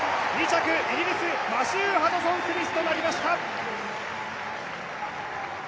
２着、イギリスのマシュー・ハドソン・スミスとなりました。